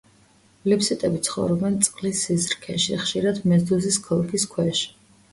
ლიფსიტები ცხოვრობენ წყლის სიზრქეში, ხშირად მედუზის ქოლგის ქვეშ.